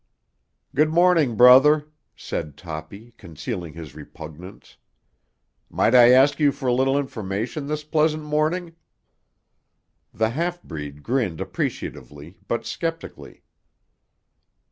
"Good morning, brother," said Toppy, concealing his repugnance. "Might I ask you for a little information this pleasant morning?" The half breed grinned appreciatively but sceptically.